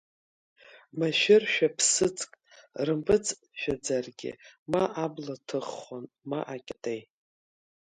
Машәыршәа ԥсыӡк рымпыҵшәаӡаргьы ма абла ҭыххон, ма акьатеи…